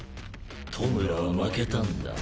弔は負けたんだ。